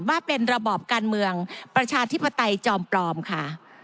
ว่าเป็นระบอบการเมืองประชาธิปไตยจอมปลอมค่ะ